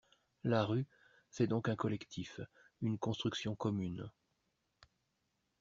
La rue, c’est donc un collectif, une construction commune.